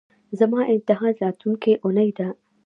زما امتحان راتلونکۍ اونۍ ده